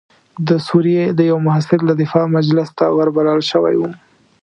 د سوریې د یوه محصل د دفاع مجلس ته وربلل شوی وم.